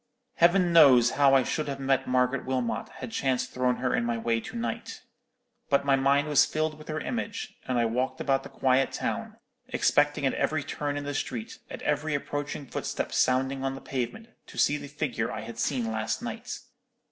Heaven knows how I should have met Margaret Wilmot had chance thrown her in my way to night. But my mind was filled with her image; and I walked about the quiet town, expecting at every turn in the street, at every approaching footstep sounding on the pavement, to see the figure I had seen last night.